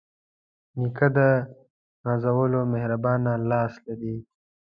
نیکه د نازولو مهربانه لاس لري.